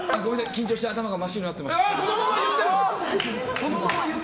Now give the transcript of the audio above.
緊張して頭が真っ白になってました。